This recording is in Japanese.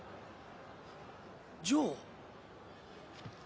「ジョー」